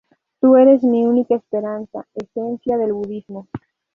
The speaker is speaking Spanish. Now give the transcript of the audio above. Tu eres mi única esperanza, esencia del budismo.